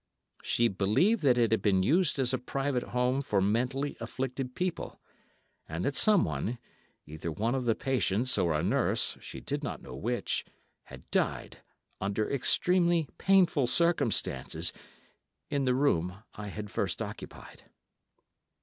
She believed that it had been used as a private home for mentally afflicted people, and that someone, either one of the patients or a nurse—she did not know which—had died, under extremely painful circumstances, in the room I had first occupied.